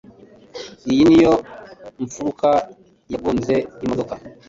Iyi niyo mfuruka yagonze imodoka.